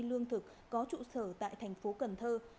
lương thực có trụ sở tại thành phố cần thơ